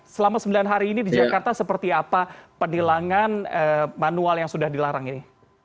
selama sembilan hari ini di jakarta seperti apa penilangan manual yang sudah dilarang ini